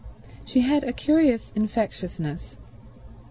She had a curious infectiousness.